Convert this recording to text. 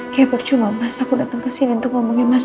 kebak cuma mas aku datang kesini untuk ngomongin mas